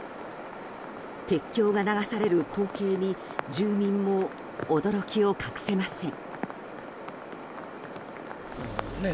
鉄橋が流される光景に住民も驚きを隠せません。